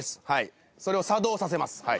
それを作動させます。